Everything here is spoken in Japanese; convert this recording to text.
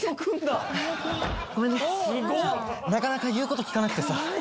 なかなかいうこときかなくてさ。